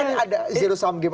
ini ada zero sum game